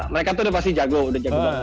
mereka itu sudah pasti jago sudah jago banget